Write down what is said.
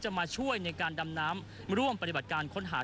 มาช่วยในการดำน้ำร่วมปฏิบัติการค้นหา